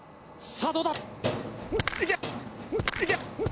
さあどうだ？